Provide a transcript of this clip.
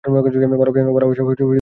ভালোবাসায় চোখের ঘুম চলে যায়।